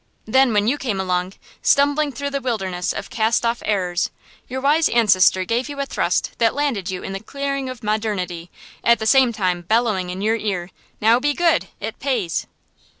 Then, when you came along, stumbling through the wilderness of cast off errors, your wise ancestor gave you a thrust that landed you in the clearing of modernity, at the same time bellowing in your ear, "Now be good! It pays!"